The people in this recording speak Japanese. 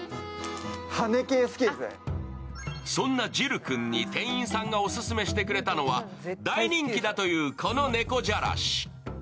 そんなジル君に店員さんがオススメしてくれたのは、大人気だという、この猫じゃらし。